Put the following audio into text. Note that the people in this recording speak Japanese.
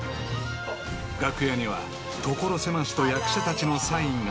［楽屋には所狭しと役者たちのサインが］